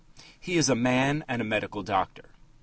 He is a man and a medical doctor.